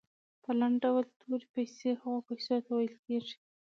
په لنډ ډول تورې پیسې هغو پیسو ته ویل کیږي.